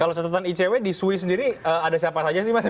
kalau catatan icw di swiss sendiri ada siapa saja sih mas